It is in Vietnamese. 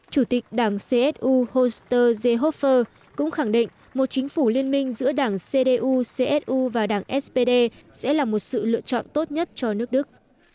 chủ tịch đảng csu hoster zehofer cũng khẳng định một chính phủ liên minh giữa đảng cdu csu và đảng spd sẽ là một sự lựa chọn tốt nhất cho nước đức